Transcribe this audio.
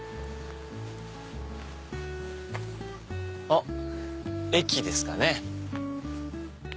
あっ駅ですかね。